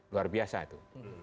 luar biasa itu